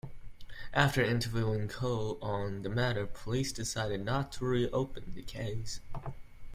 After interviewing Cole on the matter, police decided not to reopen the case.